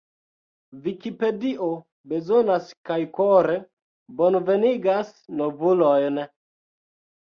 Vikipedio bezonas kaj kore bonvenigas novulojn!